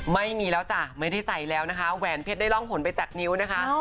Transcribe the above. ไม่มีแล้วจ้ะไม่ได้ใส่แล้วนะคะแหวนเพชรได้ร่องหนไปจากนิ้วนะคะ